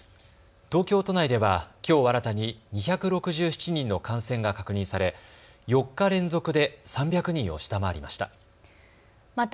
東京都内ではきょう新たに２６７人の感染が確認され４日連続で３００人を下回りました。